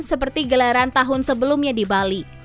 seperti gelaran tahun sebelumnya di bali